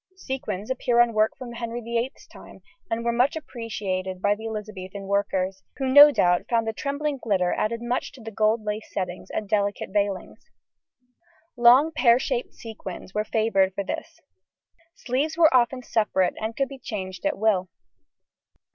Sequins appear on work from Henry VIII's time, and were much appreciated by the Elizabethan workers, who no doubt found the trembling glitter added much to the gold lace settings and delicate veilings: long pear shaped sequins were favoured for this. Sleeves were often separate, and could be changed at will.